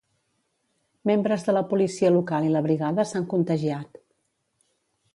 Membres de la Policia Local i la Brigada s'han contagiat.